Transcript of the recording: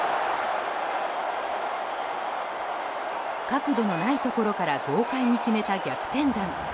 角度のないところから豪快に決めた逆転弾。